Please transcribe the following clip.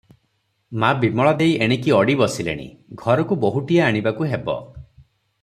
ମା ବିମଳା ଦେଈ ଏଣିକି ଅଡ଼ି ବସିଲେଣି, ଘରକୁ ବୋହୁଟିଏ ଆଣିବାକୁ ହେବ ।